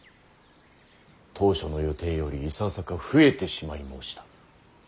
当初の予定よりいささか増えてしまい申した。